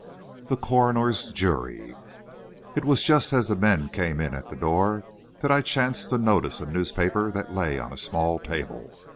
THE CORONER'S JURY It was just as the men came in at the door, that I chanced to notice a newspaper that lay on a small table.